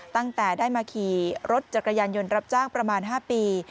ตั้งแต่ได้มาขี่รถจักรยานยนต์รับจ้างประมาณ๕ปี